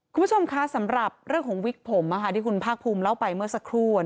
คุณผู้ชมคะสำหรับเรื่องของวิกผมที่คุณภาคภูมิเล่าไปเมื่อสักครู่